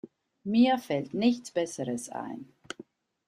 Mir fällt nichts besseres ein.